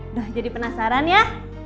udah jadi penasaran ya